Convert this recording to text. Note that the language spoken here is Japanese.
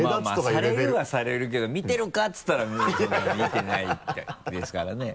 まぁされるはされるけど見てるかって言ったらもうそんなの見てないですからね